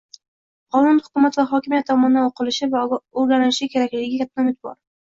Qonun hukumat va hokimiyat tomonidan o'qilishi va o'rganilishi kerakligiga katta umid bor